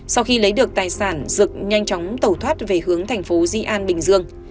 sau khi lấy được tài sản dực nhanh chóng tẩu thoát về hướng thành phố di an bình dương